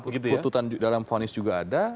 di tuntutan dalam vonis juga ada